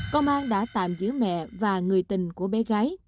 công an đã tạm giữ mẹ và người tình của bé gái